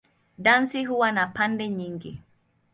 Dansi huwa na pande nyingi.